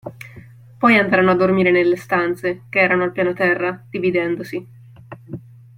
Poi andarono a dormire nelle stanze, che erano al piano terra, dividendosi.